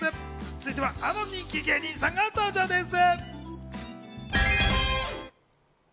続いてはあの人気芸人さんが登場です。